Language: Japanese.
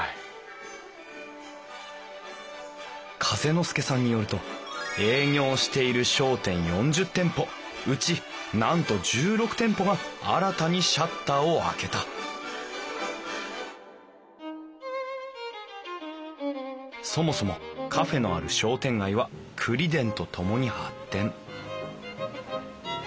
風ノ介さんによると営業している商店４０店舗うちなんと１６店舗が新たにシャッターを開けたそもそもカフェのある商店街はくりでんとともに発展。